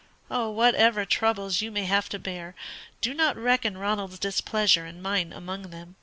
Whatever troubles you may have to bear, do not reckon Ronald's displeasure and mine among them.